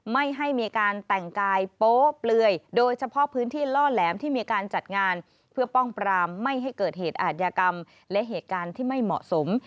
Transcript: ไม่ให้มีการแต่งกายโป๊เปลือยโดยเฉพาะพื้นที่ล่อแหลมที่มีการจัดงานเพื่อป้องปรามไม่ให้เกิดเหตุอาทยากรรมและเหตุการณ์ที่ไม่เหมาะสม